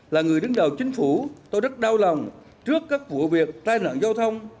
là người đứng đầu chính phủ tôi rất đau lòng trước các vụ việc tai nạn giao thông